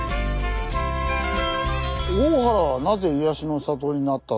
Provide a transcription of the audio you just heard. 「大原はなぜ“癒やしの里”になった？」